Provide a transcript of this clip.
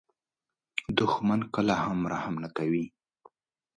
دښمن کله هم رحم نه کوي